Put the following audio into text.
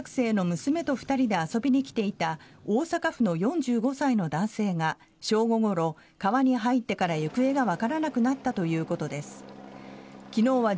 警察によりますと小学生の娘と２人で遊びに来ていた大阪府の４５歳の男性が正午ごろ川に入ってから行方がわからなくなったということです。